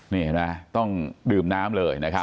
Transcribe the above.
นี่เห็นไหมต้องดื่มน้ำเลยนะครับ